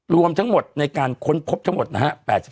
รวมทั้งหมดในการค้นพบทั้งหมดนะฮะ